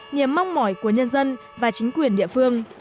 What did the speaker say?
niềm mong mỏi của nhân dân và chính quyền địa phương